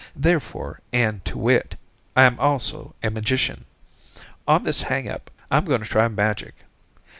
Therefore, and to wit, I'm also a magician. On this hangup, I'm going to try magic.